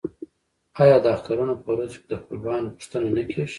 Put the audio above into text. آیا د اخترونو په ورځو کې د خپلوانو پوښتنه نه کیږي؟